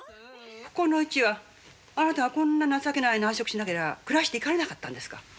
この家はあなたがこんな情けない内職しなけりゃ暮らしていかれなかったんですか。